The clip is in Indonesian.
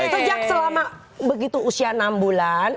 sejak selama begitu usia enam bulan